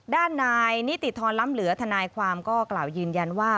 ด้านนายนิติธรล้ำเหลือทนายความก็กล่าวยืนยันว่า